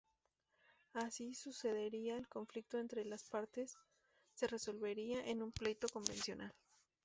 Si así sucediera, el conflicto entre las partes se resolvería en un pleito convencional.